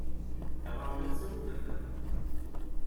Taɣawla tettawi-d nndama.